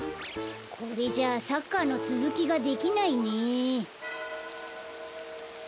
これじゃサッカーのつづきができないね。